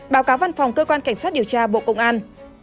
báo cáo văn phòng cơ quan cảnh sát điều tra bộ công an